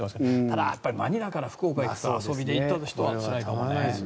ただ、マニラから福岡に遊びで行った人はつらいかもね。